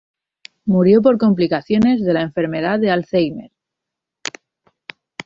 Murió por complicaciones de la enfermedad de Alzheimer.